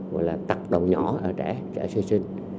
gọi là tặc đầu nhỏ ở trẻ trẻ sơ sinh